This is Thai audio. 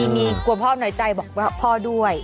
มีกลัวพ่อน้อยใจบอกว่าพ่อด้วย